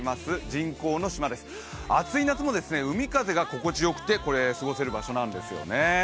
人工の島です、暑い夏も海風が心地よくてこれ、過ごせる場所なんですよね。